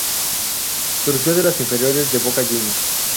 Surgió de las inferiores de Boca Juniors.